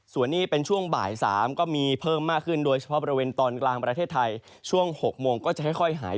ส่วนนี้เป็นช่วงบ่าย๓ก็มีเพิ่มมากขึ้นโดยเฉพาะบริเวณตอนกลางประเทศไทย